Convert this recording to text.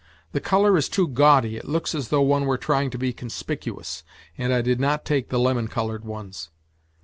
" The colour is too gaudy, it looks as though one were trying to be conspicuous," and I did not take the lemon coloured ones.